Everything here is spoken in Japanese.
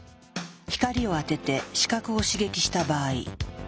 光を当てて視覚を刺激した場合。